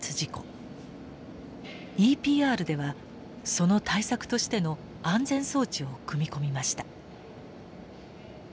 ＥＰＲではその対策としての安全装置を組み込みました。